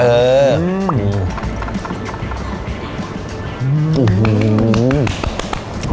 เออ